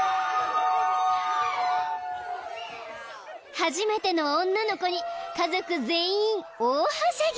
［初めての女の子に家族全員大はしゃぎ］